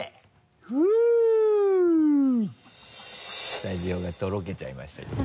スタジオがとろけちゃいましたけど。